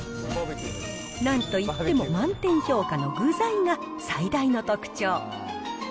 なんといっても満点評価の具材が最大の特徴。